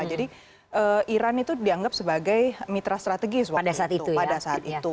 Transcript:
jadi iran itu dianggap sebagai mitra strategis pada saat itu